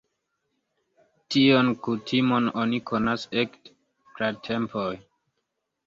Tion kutimon oni konas ekde pratempoj.